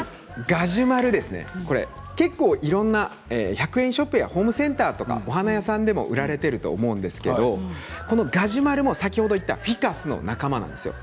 ガジュマル結構いろんな１００円ショップやホームセンターとかお花屋さんでも売られていると思うんですけどこのガジュマルも先ほど言ったフィカスの仲間なんですよ。